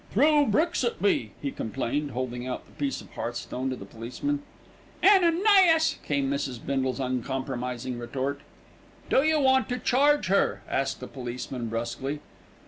"Threw bricks at me," he complained, holding out the piece of hearthstone to the policeman. "Ananias!" came Mrs. Bindle's uncompromising retort. "Do you want to charge her?" asked the policeman brusquely.